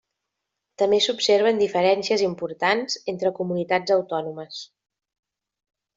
També s'observen diferències importants entre comunitats autònomes.